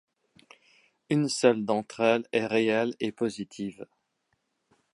Une seule d'entre elles est réelle et positive.